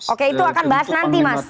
oke itu akan bahas nanti mas